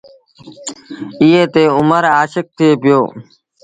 ايئي تي اُمر آشڪ ٿئي پيو۔